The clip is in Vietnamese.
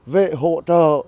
về hỗ trợ